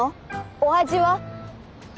お味は？